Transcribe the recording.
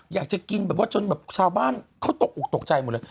อยากจะกินจนแบบชาวบ้านเขาตกใจหมดเลย